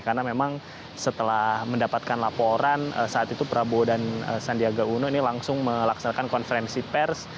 karena memang setelah mendapatkan laporan saat itu prabowo dan sandiaga uno ini langsung melaksanakan konferensi pers